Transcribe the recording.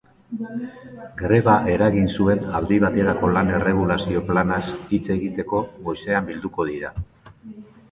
Greba eragin zuen aldi baterako lan erregulazio planaz hitz egiteko goizean bilduko dira.